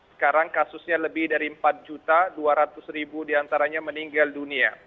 sekarang kasusnya lebih dari empat dua ratus ribu diantaranya meninggal dunia